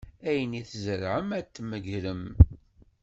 Ayen i tzerεem ad t-tmegrem.